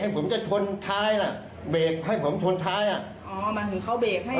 ผมจะชนท้ายน่ะเบรกให้ผมชนท้ายอ่ะอ๋อหมายถึงเขาเบรกให้